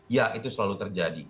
ya itu selalu terjadi